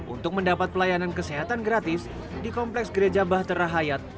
untuk mendapat pelayanan kesehatan gratis di kompleks gereja bahter rahayat